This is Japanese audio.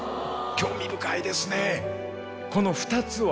興味深いですね。